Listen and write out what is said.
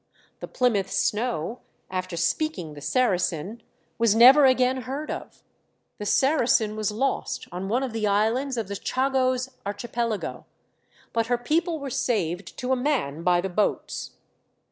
The Plymouth snow, after speaking the Saracen, was never again heard of; the Saracen was lost on one of the islands of the Chagos Archipelago, but her people were saved to a man by the boats.